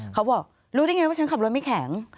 เขาบอกรู้ได้ไงว่าฉันขับรถไม่แข็ง